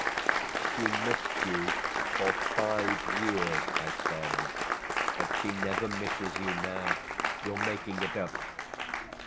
"She missed you for five years," I said, "but she never misses you now. You're making it up!"